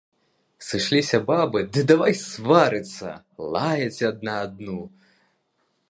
Сышліся бабы ды давай сварыцца, лаяць адна адну.